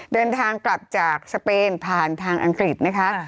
เดินทางกลับจากสเปนผ่านทางอังกฤษนะคะ